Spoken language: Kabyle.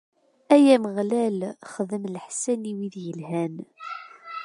Ay Ameɣlal, xdem leḥsan i wid yelhan.